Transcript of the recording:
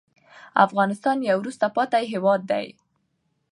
افغانستان يو وروسته پاتې هېواد دې